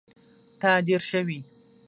تا ډير ښه وي